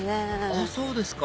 あそうですか